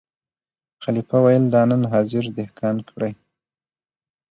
خلیفه ویل دا نن حاضر دهقان کړی